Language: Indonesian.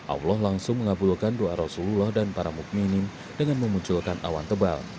allah langsung mengabulkan doa rasulullah dan para mukminin dengan memunculkan awan tebal